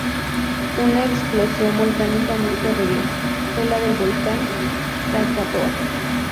Una explosión volcánica muy terrible, fue la del volcán Krakatoa.